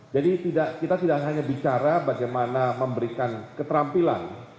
jadi kita tidak hanya bicara bagaimana memberikan keterampilan